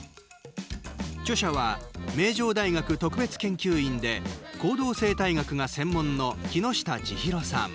著者は、名城大学特別研究員で行動生態学が専門のきのしたちひろさん。